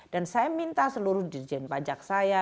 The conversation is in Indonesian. dan saya minta seluruh dirijen pajak saya